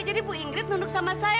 jadi bu ingrid nunduk sama saya